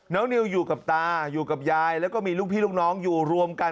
นิวอยู่กับตาอยู่กับยายแล้วก็มีลูกพี่ลูกน้องอยู่รวมกัน